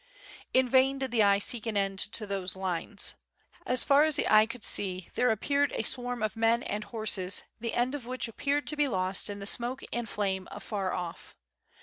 In vain did the eye seek an end to those lines. As far as the eye could see there appeared a swarm of men and horses the end of which appeared to be lost in the smoke and flame afar off.